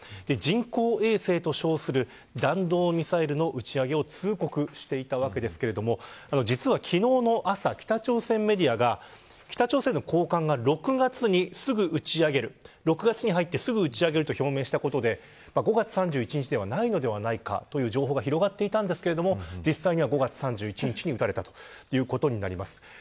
人工衛星と称する弾道ミサイルの打ち上げを通告していたわけですけれども実は昨日の朝、北朝鮮メディアが北朝鮮の高官が６月にすぐ打ち上げる６月に入って、すぐ打ち上げると表明したことで５月３１日ではないのではないかという情報が広がっていたんですけど実際には５月３１日に撃たれたということになります。